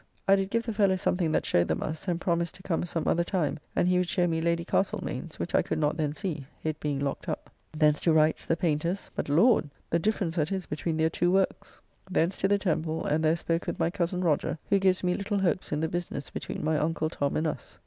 I did give the fellow something that showed them us, and promised to come some other time, and he would show me Lady Castlemaine's, which I could not then see, it being locked up! Thence to Wright's, the painter's: but, Lord! the difference that is between their two works. Thence to the Temple, and there spoke with my cozen Roger, who gives me little hopes in the business between my Uncle Tom and us.